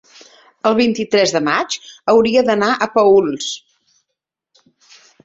el vint-i-tres de maig hauria d'anar a Paüls.